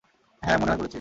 হ্যাঁ, মনে হয় করেছি।